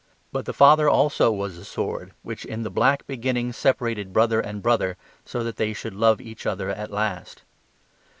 But the Father also was a sword, which in the black beginning separated brother and brother, so that they should love each other at last.